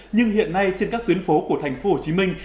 nhưng hiện nay trên các tuyến phố của thành phố hồ chí minh